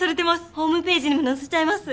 ホームページにも載せちゃいます？